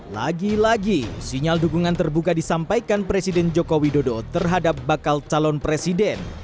lagi lagi sinyal dukungan terbuka disampaikan presiden joko widodo terhadap bakal calon presiden